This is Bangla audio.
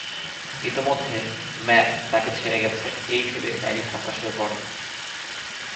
ইতোমধ্যে, ম্যাক্স তাকে ছেড়ে গেছে এই ভেবে ম্যারি হতাশ হয়ে পড়ে।